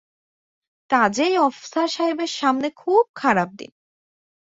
কাজেই আফসার সাহেবের সামনে খুব খারাপ দিন।